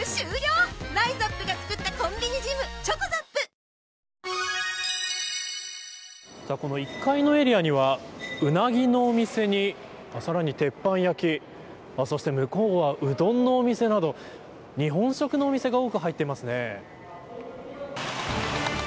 東京海上日動１階のエリアにはうなぎのお店にさらに、鉄板焼きそして、向こうはうどんのお店など日本食のお店が多く入っていますね。